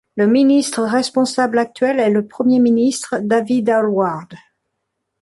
Le ministre responsable actuel est le premier ministre, David Alward.